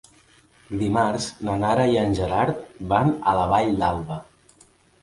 Dimarts na Nara i en Gerard van a la Vall d'Alba.